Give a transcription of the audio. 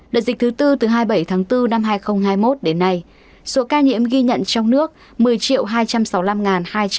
đợt dịch thứ tư từ hai mươi bảy tháng bốn năm hai nghìn hai mươi một đến nay số ca nhiễm ghi nhận trong nước một mươi hai trăm sáu mươi năm hai trăm tám mươi ca